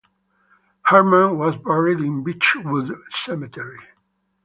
Hurdman was buried in Beechwood Cemetery.